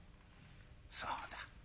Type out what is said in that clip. そうだ。